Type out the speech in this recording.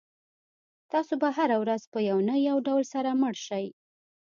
تاسو به هره ورځ په یو نه یو ډول سره مړ شئ.